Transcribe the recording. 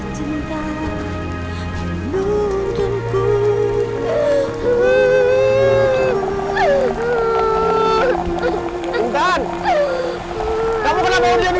kenapa cerita sama wabri ini